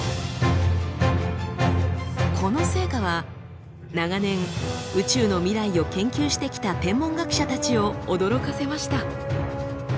この成果は長年宇宙の未来を研究してきた天文学者たちを驚かせました。